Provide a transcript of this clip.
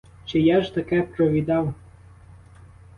Чи я ж таке провідав!